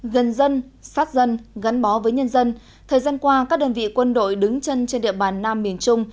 gần dân sát dân gắn bó với nhân dân thời gian qua các đơn vị quân đội đứng chân trên địa bàn nam miền trung